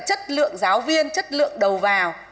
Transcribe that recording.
chất lượng giáo viên chất lượng đầu vào